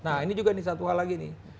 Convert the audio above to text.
nah ini juga nih satu hal lagi nih